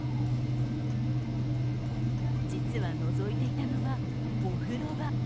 実は、のぞいていたのはお風呂場。